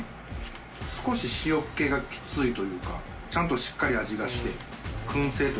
少し塩気がきついというかちゃんとしっかり味がして。